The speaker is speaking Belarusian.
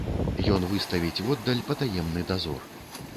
Ён выставіць воддаль патаемны дазор.